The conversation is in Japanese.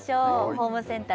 ホームセンター